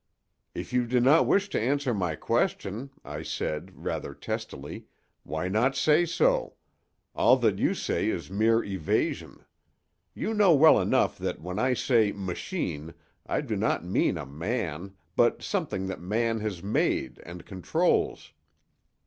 "If you do not wish to answer my question," I said, rather testily, "why not say so?—all that you say is mere evasion. You know well enough that when I say 'machine' I do not mean a man, but something that man has made and controls."